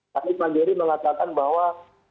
tapi sendiri mengatakan bahwa